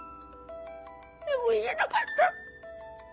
でも言えなかった。